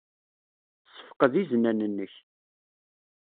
Ssefqed iznan-nnek.